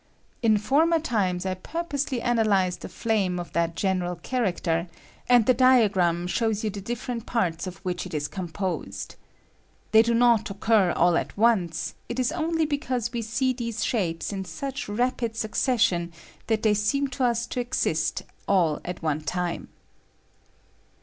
In former times I purposely analyzed a flame of that general character, and the diagram shows you the different parts of 88 ANALYSIS OF FLAME. whicli it is composed. They do not occur all at once ; it is only because we see these shapes in such rapid succession that they seem to us to exist all at one time.